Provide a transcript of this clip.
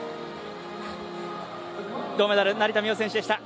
銅メダル、成田実生選手でした。